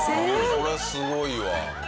これすごいわ。